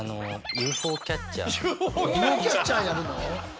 ＵＦＯキャッチャーやるの？